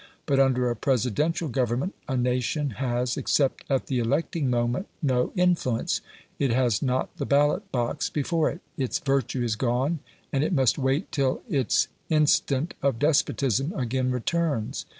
But under a Presidential government, a nation has, except at the electing moment, no influence; it has not the ballot box before it; its virtue is gone, and it must wait till its instant of despotism again returns.